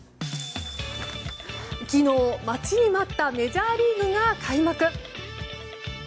昨日、待ちに待ったメジャーリーグが開幕。